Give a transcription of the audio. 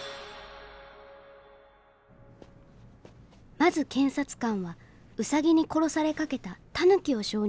まず検察官はウサギに殺されかけたタヌキを証人に呼んだ。